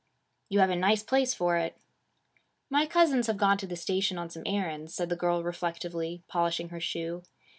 'You have a nice place for it.' 'My cousins have gone to the station on some errands,' said the girl reflectively, polishing her shoe.